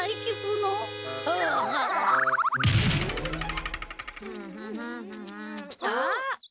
ああ！